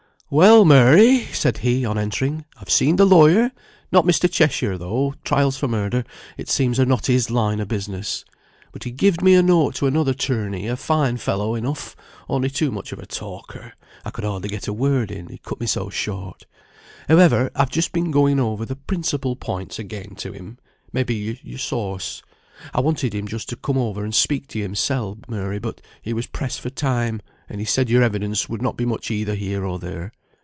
"Well! Mary," said he on entering, "I've seen the lawyer, not Mr. Cheshire though; trials for murder, it seems, are not his line o' business. But he gived me a note to another 'torney; a fine fellow enough, only too much of a talker; I could hardly get a word in, he cut me so short. However, I've just been going over the principal points again to him; may be you saw us? I wanted him just to come over and speak to you himsel, Mary, but he was pressed for time; and he said your evidence would not be much either here or there.